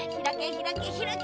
ひらけひらけ！